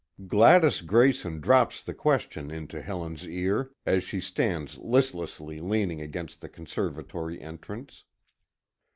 Gladys Grayson drops the question into Helen's ear as she stands listlessly leaning against the conservatory entrance.